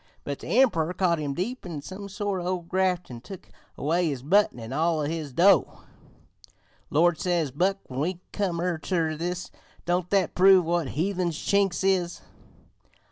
But the Emprer caught him deep in some sort o' graft an' took away his button an' all o' his dough. "'Lord!' says Buck when we come ter this, 'don't that prove what heathens Chinks is?